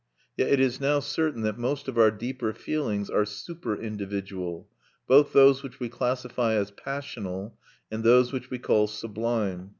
Yet it is now certain that most of our deeper feelings are superindividual, both those which we classify as passional, and those which we call sublime.